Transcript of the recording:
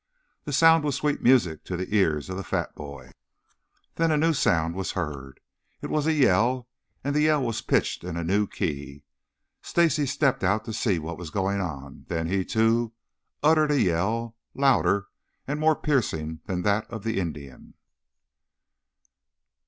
The sound was sweet music to the ears of the fat boy. Then a new sound was heard. It was a yell, and the yell was pitched in a new key. Stacy stepped out to see what was going on, then he, too, uttered a yell, louder and more piercing than that of the Indian.